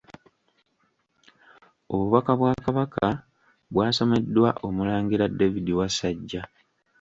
Obubaka bwa Kabaka bwasomeddwa Omulangira David Wasajja.